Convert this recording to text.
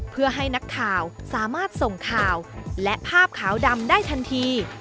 เพื่อให้นักข่าวสามารถส่งข่าวและภาพขาวดำได้ทันที